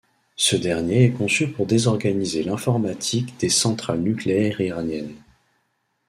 Ce dernier est conçu pour désorganiser l'informatique des centrales nucléaires iraniennes.